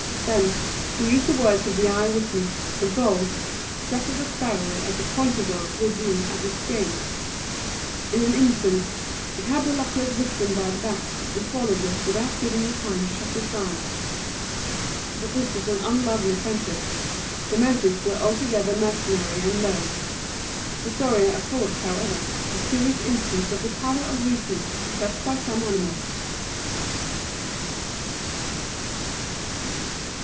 Then, to use the words of the eye witness, the gull "set at a sparrow as a pointer dog would do at its game." In an instant it had the luckless victim by the back, and swallowed it without giving it time to shut its eyes. But this was an unlovely friendship. The motives were altogether mercenary and low. The story affords, however, a curious instance of the power of reasoning possessed by some animals.